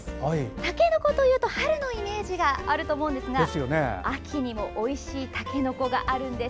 たけのこというと春のイメージがあると思いますが秋にもおいしいたけのこがあるんです。